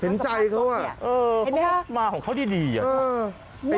เห็นใจเขาว่าเออพูดมาของเขาดีอย่างนั้น